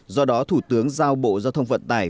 do đó thủ tướng giao bộ giao thông vận tải